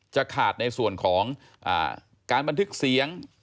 จะขาดในส่วนของการบันทึกเสียง